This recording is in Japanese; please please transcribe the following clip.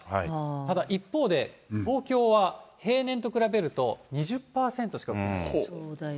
ただ一方で、東京は平年と比べると２０％しか降ってないんですよ。